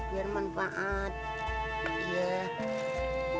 biar aku ambil